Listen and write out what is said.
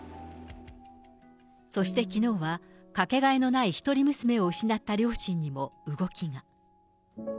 そしてきのうは、掛けがえのない一人娘を失った両親にも動きが。